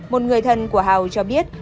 một người thân của hào cho biết